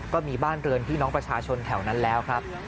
ก็มีบ้านเรือนพี่น้องประชาชนแถวนั้นแล้วครับ